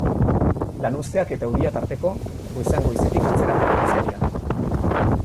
Lanuzteak eta euria tarteko, goizean goizetik atzerapenak izan dira.